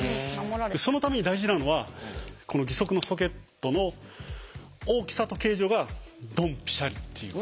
そのために大事なのはこの義足のソケットの大きさと形状がドンピシャリっていう。